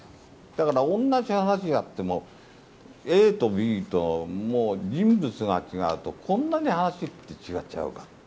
だから同じはなしがあっても、ＡとＢと、もう人物が違うと、こんなにはなしって違っちゃうか。